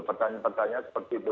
pertanyaan pertanyaan seperti itu